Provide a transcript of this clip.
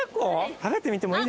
食べてみてもいいですか？